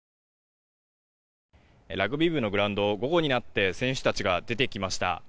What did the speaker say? ラグビー部のグラウンド午後になって選手たちが出てきました。